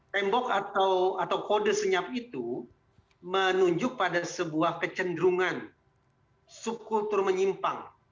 tembok atau kode senyap itu menunjuk pada sebuah kecenderungan subkultur menyimpang